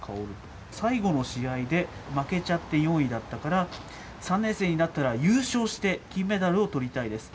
最後の試合で負けちゃって４位だったから、３年生になったら優勝して金メダルをとりたいです。